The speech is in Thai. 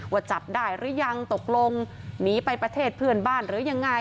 จับได้หรือยังตกลงหนีไปประเทศเพื่อนบ้านหรือยังไง